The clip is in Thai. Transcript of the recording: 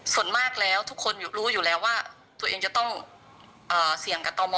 ส่วนมากแล้วทุกคนรู้อยู่แล้วว่าตัวเองจะต้องเสี่ยงกับตม